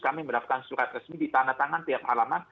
kami mendapatkan surat resmi di tanda tangan tiap alamat